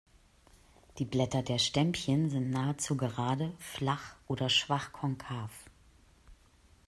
Die Blätter der Stämmchen sind nahezu gerade, flach oder schwach konkav.